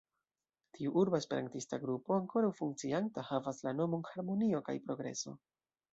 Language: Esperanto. Tiu urba esperantista grupo, ankoraŭ funkcianta, havas la nomon "harmonio kaj progreso".